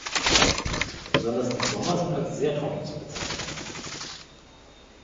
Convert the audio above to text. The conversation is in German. Besonders die Sommer sind als sehr trocken zu bezeichnen.